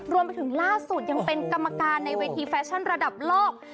รวมไปถึงล่าสุดยังเป็นกรรมการในเวทีแฟชั่นระดับโลก